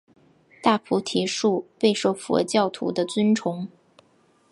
大菩提树备受佛教徒的尊崇。